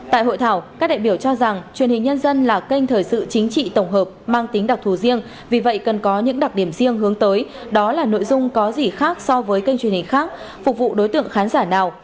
tại hội thảo các đại biểu cho rằng truyền hình nhân dân là kênh thời sự chính trị tổng hợp mang tính đặc thù riêng vì vậy cần có những đặc điểm riêng hướng tới đó là nội dung có gì khác so với kênh truyền hình khác phục vụ đối tượng khán giả nào